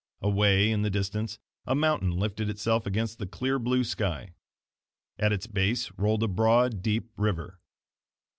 Away in the distance, a mountain lifted itself against the clear blue sky. At its base rolled a broad, deep river.